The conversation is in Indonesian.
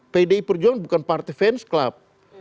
pdi perjuangan bukan partai fans club